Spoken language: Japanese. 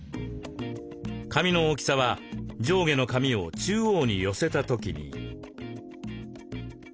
紙の大きさは上下の紙を中央に寄せた時に。